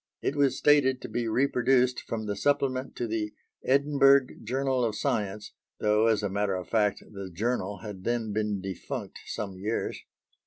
It was stated to be reproduced from the Supplement to the Edinburgh Journal of Science, though as a matter of fact, the Journal had then been defunct some years.